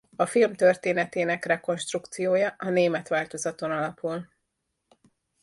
A film történetének rekonstrukciója a német változaton alapul.